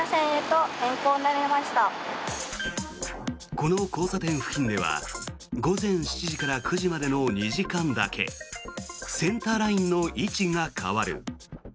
この交差点付近では午前７時から９時までの２時間だけセンターラインの位置が変わる。